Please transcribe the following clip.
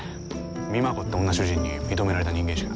美摩子って女主人に認められた人間しか。